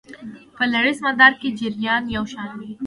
په لړیز مدار کې جریان یو شان وي.